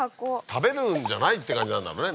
食べるんじゃないって感じなんだろうね